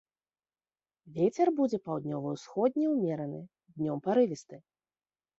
Вецер будзе паўднёва-ўсходні ўмераны, днём парывісты.